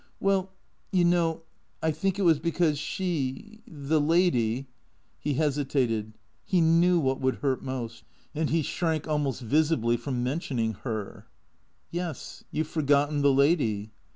" Well, you know, I think it was because she — the lady " He hesitated. He knew what would hurt most; and he shrank almost visibly from mentioning Her. " Yes — you 've forgotten the lady."